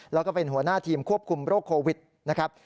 แล้วก็เป็นหัวหน้าทีมควบคุมโรคโควิดนะครับ